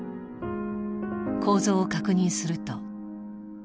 構造を確認すると。